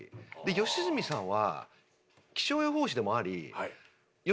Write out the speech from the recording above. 良純さんは。